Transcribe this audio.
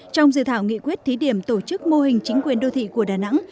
trong dự thảo nghị quyết thí điểm tổ chức mô hình chính quyền đô thị của đà nẵng